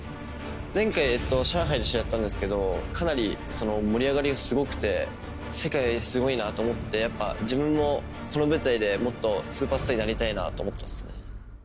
前回上海で試合やったんですけどかなり盛り上がりがすごくて世界すごいなと思ってやっぱ自分もこの舞台でもっとスーパースターになりたいなと思ってます